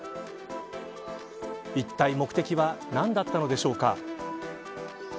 いったい目的は何だったのでしょうか。